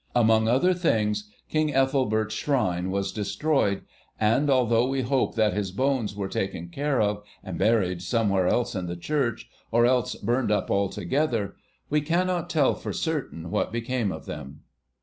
Among other things, King Ethelbert's shrine was destroyed, and, although we hope that his bones were taken care of, and buried somewhere in the church, or else burned up altogether, we cannot tell for certain what became of them.